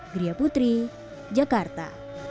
gria putri jakarta